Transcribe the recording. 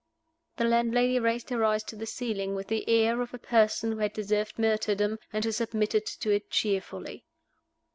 The landlady raised her eyes to the ceiling with the air of a person who had deserved martyrdom, and who submitted to it cheerfully.